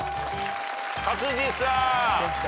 勝地さん。